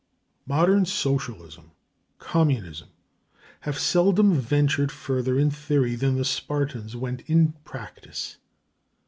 Modern socialism, communism, have seldom ventured further in theory than the Spartans went in practice.